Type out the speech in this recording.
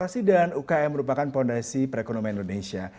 investasi dan ukm merupakan fondasi perekonomian indonesia